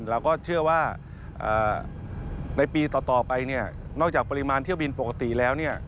เราก็เชื่อว่าในปีต่อไปเนี่ยนอกจากปริมาณเที่ยวบินปกติแล้ว